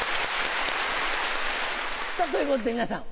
さぁということで皆さん